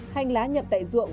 hành lá nhập tại ruộng